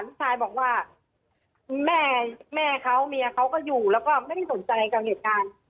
ลูกชายบอกว่าคุณแม่เขาเมียเขาก็อยู่แล้วก็ไม่ได้สนใจกับเหตุการณ์